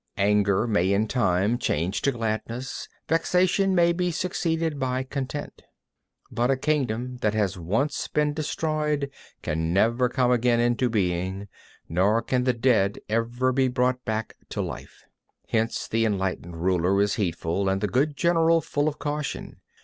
20. Anger may in time change to gladness; vexation may be succeeded by content. 21. But a kingdom that has once been destroyed can never come again into being; nor can the dead ever be brought back to life. 22. Hence the enlightened ruler is heedful, and the good general full of caution.